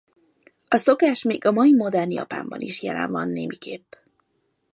A szokás még a mai modern Japánban is jelen van némiképp.